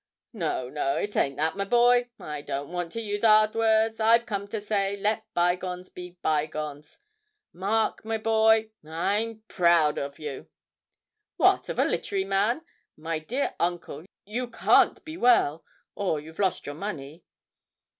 'No, no, it ain't that, my boy. I don't want to use 'ard words. I've come to say, let bygones be bygones. Mark, my boy, I'm proud of yer!' 'What, of a literary man! My dear uncle, you can't be well or you've lost money.'